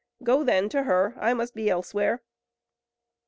Go then to her; I must be elsewhere."